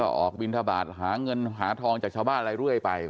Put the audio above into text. ออกบินทบาทหาเงินหาทองจากชาวบ้านอะไรเรื่อยไป